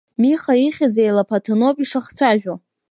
Миха ихьыз еилаԥаҭаноуп ишахцәажәо.